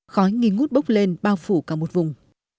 khói nghi ngút bốc lên bao phủ cả một vùng